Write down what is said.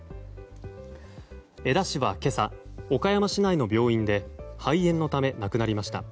江田氏は今朝岡山市内の病院で肺炎のため亡くなりました。